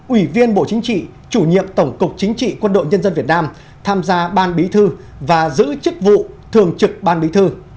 ủy viên bộ chính trị chủ nhiệm tổng cục chính trị quân đội nhân dân việt nam tham gia ban bí thư và giữ chức vụ thường trực ban bí thư